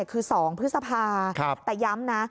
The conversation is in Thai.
คือ๒พฤษภาแต่ย้ำนะ